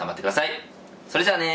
それじゃあね。